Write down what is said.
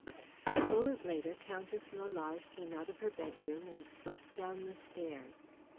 A moment later Countess Lalage came out of her bedroom and swept down the stairs.